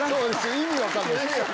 意味分かんない。